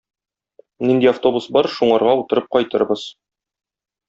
Нинди автобус бар, шуңарга утырып кайтырбыз.